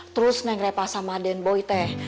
terus yang reva sama denboy teh